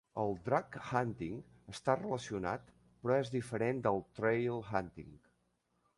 El "drag hunting" està relacionat però és diferent del "trail hunting".